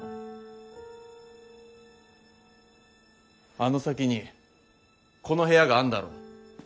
あの先にこの部屋があんだろ？